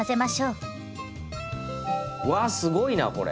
わすごいなこれ！